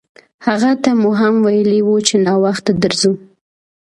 هغه ته مو هم ویلي وو چې ناوخته درځو.